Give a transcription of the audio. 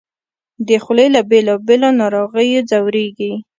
د خولې له بېلابېلو ناروغیو ځورېږي